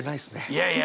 いやいや。